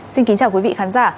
xin kính chào quý vị khán giả